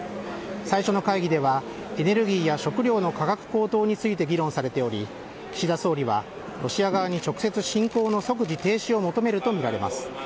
最初の会議では、エネルギーや食料の価格高騰について議論されており、岸田総理は、ロシア側に直接、侵攻の即時停止を求めると見られます。